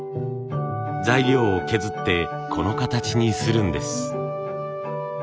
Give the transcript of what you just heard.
材料を削ってこの形にするんです。